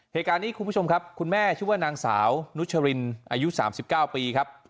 คุณผู้ชมครับคุณแม่ชื่อว่านางสาวนุชรินอายุ๓๙ปีครับ